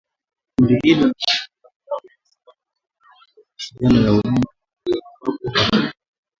Kundi hilo la wanamgambo lilisema kwenye mtandao wake wa mawasiliano ya huduma ya ujumbe wa papo hapo.